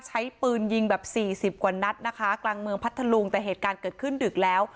ใช้ปืนยิงแบบสี่สิบกว่านัดนะคะกลางเมืองพัทธลุงแต่เหตุการณ์เกิดขึ้นดึกแล้ว